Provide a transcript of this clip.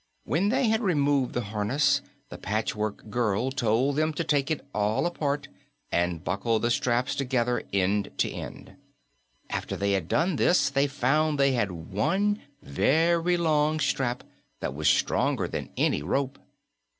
When they had removed the harness, the Patchwork Girl told them to take it all apart and buckle the straps together, end to end. And after they had done this, they found they had one very long strap that was stronger than any rope.